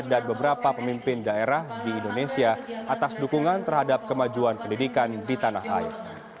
dan beberapa pemimpin daerah di indonesia atas dukungan terhadap kemajuan pendidikan di tanah air